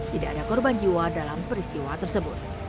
tidak ada korban jiwa dalam peristiwa tersebut